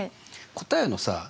答えのさあ